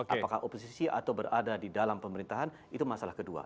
apakah oposisi atau berada di dalam pemerintahan itu masalah kedua